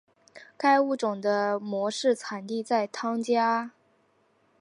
该物种的模式产地在汤加。